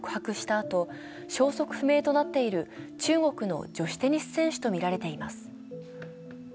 あと消息不明となっている中国の女子テニス選手とみられています。